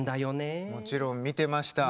もちろん見てました。